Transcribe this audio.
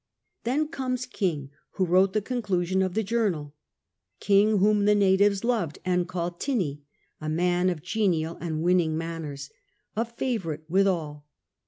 Then comes King, who wrote the conclusion of the journal — King, wliom the natives loved and called Tinnee, a man of genial and winning manners, a favourite with all.